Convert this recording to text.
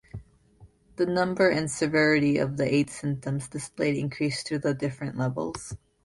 The number and severity of the eight symptoms displayed increase through the different levels.